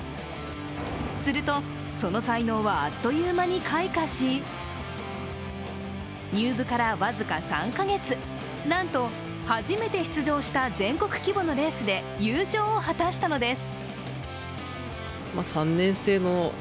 すると、その才能はあっという間に開花し入部から僅か３か月、なんと初めて出場した全国規模のレースで優勝を果たしたのです。